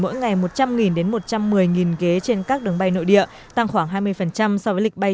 mỗi ngày một trăm linh đến một trăm một mươi ghế trên các đường bay nội địa tăng khoảng hai mươi so với lịch bay